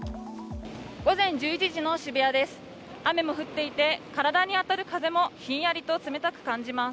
午前１１時の渋谷です。